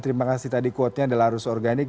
terima kasih tadi quote nya adalah arus organik